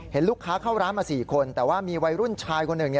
เห็นลูกค้าเข้าร้านมา๔คนแต่ว่ามีวัยรุ่นชายคนหนึ่ง